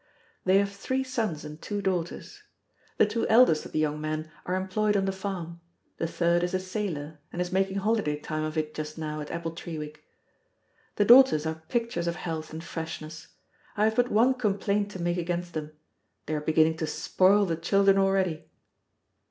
They have three sons and two daughters. The two eldest of the young men are employed on the farm; the third is a sailor, and is making holiday time of it just now at Appletreewick. The daughters are pictures of health and freshness. I have but one complaint to make against them they are beginning to spoil the children already.